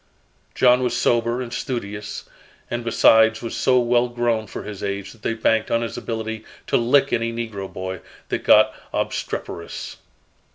John was sober and studious, and besides was so well grown for his age that they banked on his ability to "lick" any negro boy that got obstreperous.